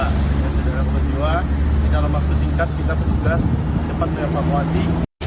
ketika kebenciwa di dalam waktu singkat kita petugas cepat mengevakuasi